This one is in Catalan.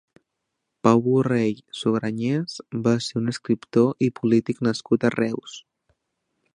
Pau Borrell Sugranyes va ser un escriptor i polític nascut a Reus.